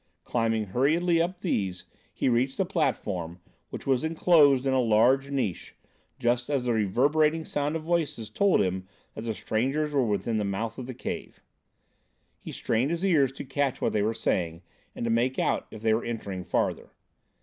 Climbing hurriedly up these, he reached the platform, which was enclosed in a large niche, just as the reverberating sound of voices told him that the strangers were within the mouth of the cave. He strained his ears to catch what they were saying and to make out if they were entering farther.